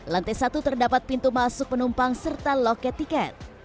lantai satu terdapat pintu masuk penumpang serta loket tiket